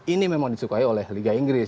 ini memang disukai oleh liga inggris